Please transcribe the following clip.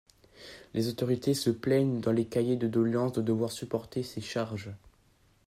Les autorités se plaignent dans les cahiers de doléances de devoir supporter ces charges.